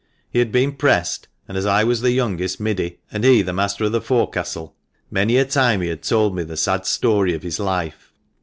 He had been pressed, and as I was the youngest middy, and he the master of the forecastle, many a time had he told me the sad story of his life.